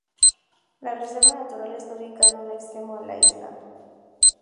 La Reserva Natural está ubicada en un extremo de la isla.